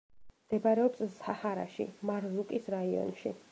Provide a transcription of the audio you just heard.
მდებარეობს საჰარაში, მარზუკის რაიონში.